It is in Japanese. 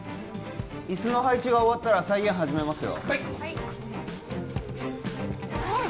椅子の配置が終わったら再現始めますよ